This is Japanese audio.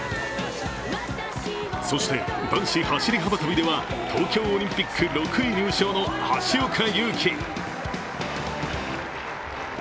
そして、男子走り幅跳びでは、東京オリンピック６位入賞の橋岡優輝。